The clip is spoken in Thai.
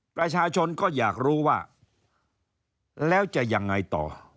ประชาชนก็อยากรู้ว่าแล้วจะยังไงต่อ